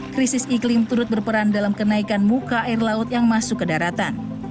krisis iklim turut berperan dalam kenaikan muka air laut yang masuk ke daratan